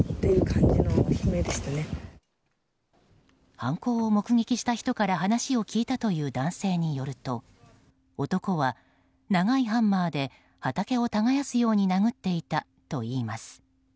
犯行を目撃した人から話を聞いたという男性によると男は、長いハンマーで畑を耕すように殴っていたといいます。